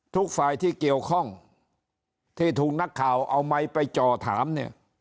ทุกฝ่ายที่เกี่ยวข้องที่ถูกนักข่าวเอาไมค์ไปจ่อถามเนี่ย